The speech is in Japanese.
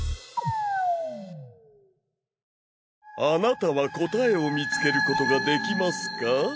あなたは答えを見つけることができますか？